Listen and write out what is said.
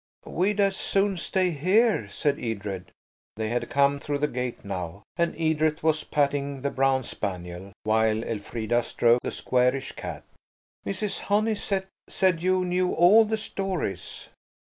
"We'd as soon stay here," said Edred–they had come through the gate now, and Edred was patting the brown spaniel, while Elfrida stroked the squarish cat. "Mrs. Honeysett said you knew all the stories."